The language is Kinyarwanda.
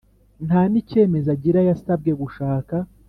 Nta n icyemezo agira yasabwe gushaka